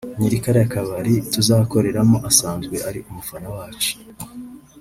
”Nyiri kariya kabari tuzakoreramo asanzwe ari umufana wacu